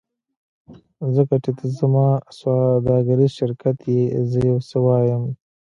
ځکه چې ته زما سوداګریز شریک یې زه یو څه وایم